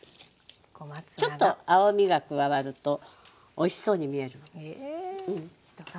ちょっと青みが加わるとおいしそうに見える。